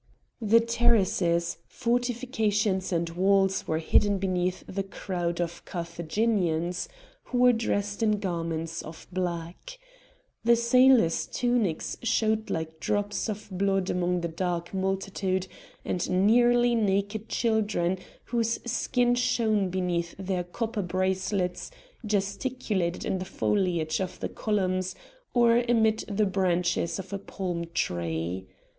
The terraces, fortifications, and walls were hidden beneath the crowd of Carthaginians, who were dressed in garments of black. The sailors' tunics showed like drops of blood among the dark multitude, and nearly naked children, whose skin shone beneath their copper bracelets, gesticulated in the foliage of the columns, or amid the branches of a palm tree.